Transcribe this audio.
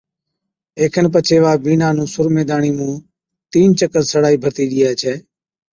اي کن پڇي وا بِينڏا نُون سرمي داڻي مُون تين چڪر سڙائي ڀرتِي ڏيئي ڇَي